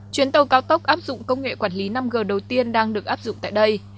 chuyến tàu cao tốc áp dụng công nghệ quản lý năm g đầu tiên đang được áp dụng tại đây